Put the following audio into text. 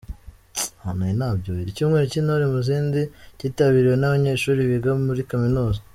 Icyumweru cy’intore mu zindi kitabiriwe n’abanyeshuri biga muri kaminuza.